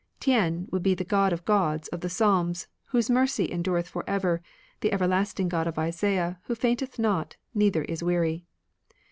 THen would be the God of Gods of the Psalms, whose mercy endureth for ever ; the everlasting Grod of Isaiah, who fainteth not, neither is weary.